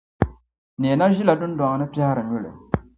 Neena ʒila dundɔŋ ni n-piɛhiri nyuli